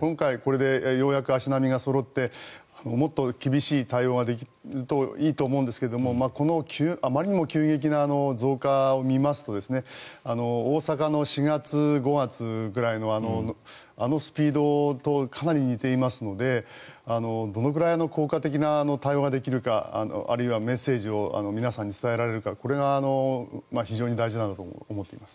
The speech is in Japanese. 今回、これでようやく足並みがそろってもっと厳しい対応ができるといいと思うんですがこのあまりにも急激な増加を見ますと大阪の４月、５月ぐらいのあのスピードとかなり似ていますのでどのくらいの効果的な対応ができるかあるいはメッセージを皆さんに伝えられるかこれが非常に大事なんだと思っています。